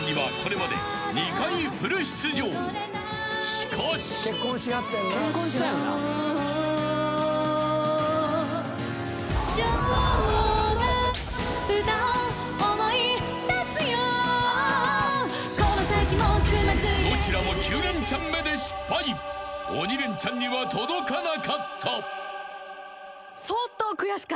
［しかし］［鬼レンチャンには届かなかった］